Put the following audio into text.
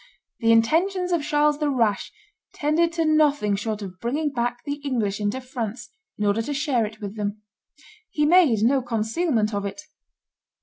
The intentions of Charles the Rash tended to nothing short of bringing back the English into France, in order to share it with them. He made no concealment of it.